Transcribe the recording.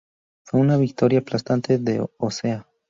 Fue una victoria aplastante de Osea.